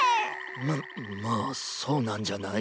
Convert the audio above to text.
⁉ままあそうなんじゃない？